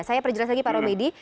saya perjelas lagi pak romedy